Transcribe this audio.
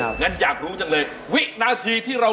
คุณพงสิรสวัสดีนะครับ